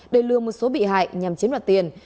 để lừa một số bị hại nhằm chiếm đoạt tiền